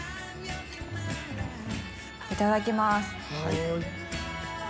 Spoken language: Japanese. いただきます。